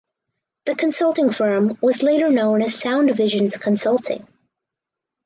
The consulting firm was later known as Sound Visions Consulting.